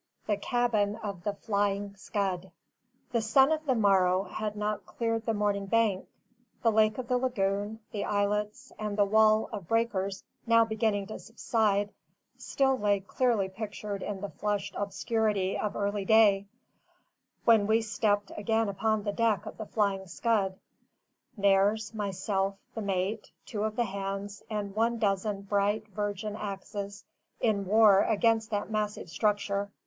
THE CABIN OF THE "FLYING SCUD." The sun of the morrow had not cleared the morning bank: the lake of the lagoon, the islets, and the wall of breakers now beginning to subside, still lay clearly pictured in the flushed obscurity of early day, when we stepped again upon the deck of the Flying Scud: Nares, myself, the mate, two of the hands, and one dozen bright, virgin axes, in war against that massive structure.